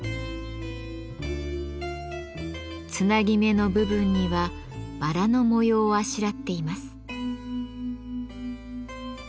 つなぎ目の部分にはバラの模様をあしらっています。